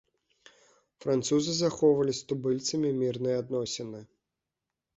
Французы захоўвалі з тубыльцамі мірныя адносіны.